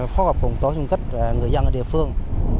phó gặp cùng tổ chức người dân ở địa phương